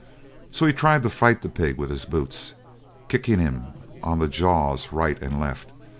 So he tried to fight the pig with his boots, kicking him on the jaws right and left.